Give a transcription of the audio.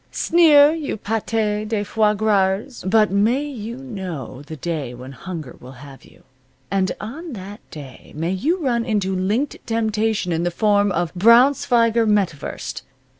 Sneer, you pate de foies grasers! But may you know the day when hunger will have you. And on that day may you run into linked temptation in the form of Braunschweiger Metwurst.